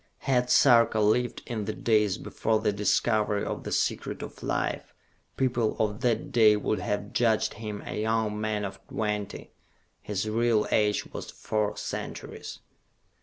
Had Sarka lived in the days before the discovery of the Secret of Life, people of that day would have judged him a young man of twenty. His real age was four centuries.